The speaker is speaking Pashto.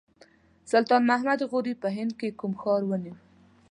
سلطان محمد غوري په هند کې کوم ښار ونیو.